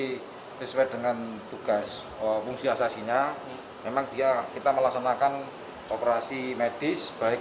terima kasih sesuai dengan tugas fungsi asasinya memang dia kita melaksanakan operasi medis baik